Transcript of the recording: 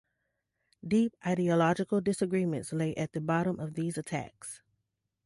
Deep ideological disagreements lay at the bottom of these attacks.